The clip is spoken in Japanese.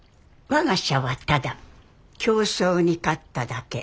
我が社はただ競争に勝っただけ。